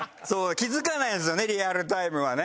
気づかないんですよねリアルタイムはね。